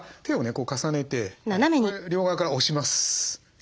こう重ねてこれ両側から押します。